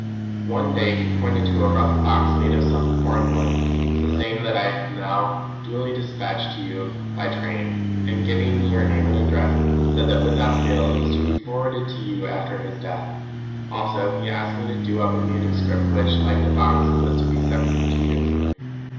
"One day he pointed to a rough box made of some foreign wood (the same that I have now duly despatched to you by train), and, giving me your name and address, said that without fail it was to be forwarded to you after his death. Also he asked me to do up a manuscript, which, like the box, was to be sent to you.